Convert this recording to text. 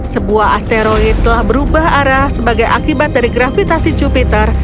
sebuah asteroid telah berubah arah sebagai akibat dari grafitur